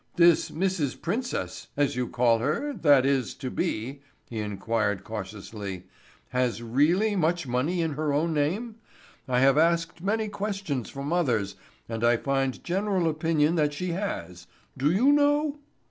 "This Mrs. Princess, as you call her, that is to be," he inquired cautiously, "has really much money in her own name? I have asked many questions from others and I find general opinion that she has. Do you know?"